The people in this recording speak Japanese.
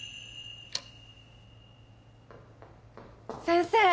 先生！